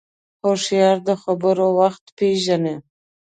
هوښیار د خبرو وخت پېژني